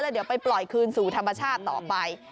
เดี๋ยวไปปล่อยคืนสู่ธรรมชาติต่อไป